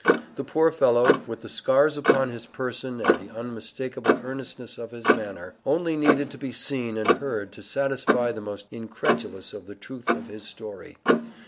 The poor fellow, with the scars upon his person and the unmistakable earnestness of his manner, only needed to be seen and heard to satisfy the most incredulous of the truth of his story.